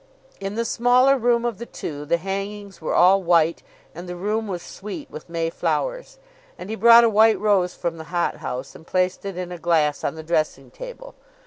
In the smaller room of the two the hangings were all white, and the room was sweet with May flowers; and he brought a white rose from the hot house, and placed it in a glass on the dressing table.